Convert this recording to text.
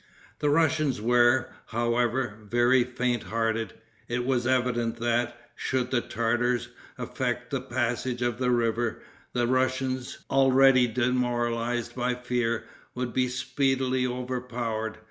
The Russians were, however, very faint hearted. It was evident that, should the Tartars effect the passage of the river, the Russians, already demoralized by fear, would be speedily overpowered.